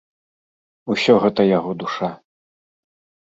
Усё гэта яго душа.